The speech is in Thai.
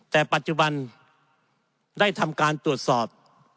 แต่ปัจจุบันได้ทำการตรวจสอบ